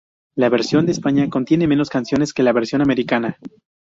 La versión de España contiene menos canciones que la versión americana.